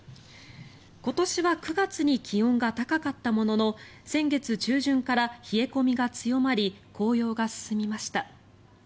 今年は９月に気温が高かったものの先月中旬から冷え込みが強まり紅葉が進みました。